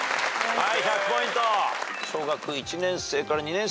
はい。